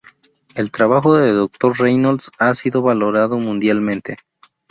El trabajo de Dr. Reynolds ha sido valorado mundialmente.